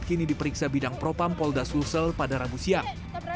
kini diperiksa bidang propam polda sulsel pada rabu siang